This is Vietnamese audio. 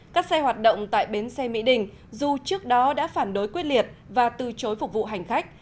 các xe hoạt động tại bến xe mỹ đình dù trước đó đã phản đối quyết liệt và từ chối phục vụ hành khách